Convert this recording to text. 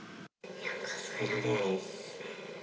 いや、数えられないですね。